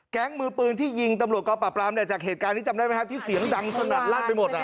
มือปืนที่ยิงตำรวจกองปราบรามเนี่ยจากเหตุการณ์นี้จำได้ไหมครับที่เสียงดังสนั่นลั่นไปหมดอ่ะ